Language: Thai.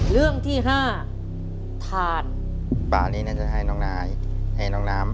เรื่องที่๕